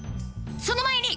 その前に！